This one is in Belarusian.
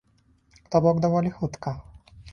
То бок даволі хутка.